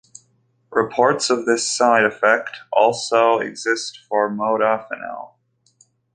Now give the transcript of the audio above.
Reports of this side effect also exist for modafinil.